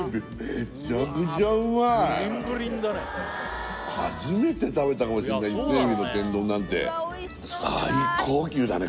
めちゃくちゃうまい初めて食べたかもしれない伊勢海老の天丼なんて最高級だね